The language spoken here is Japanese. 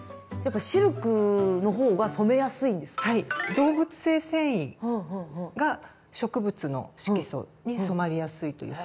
動物性繊維が植物の色素に染まりやすいという性質があります。